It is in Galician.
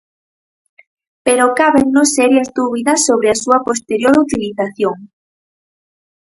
Pero cábennos serias dúbidas sobre a súa posterior utilización.